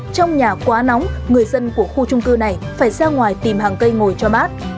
trong nhà quá nóng người dân của khu trung cư này phải ra ngoài tìm hàng cây ngồi cho bát